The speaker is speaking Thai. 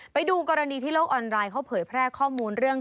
ไปดูกรณีที่โลกออนไลน์เขาเผยแพร่ข้อมูลเรื่อง